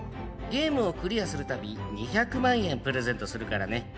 ゲームをクリアするたび２００万円プレゼントするからね。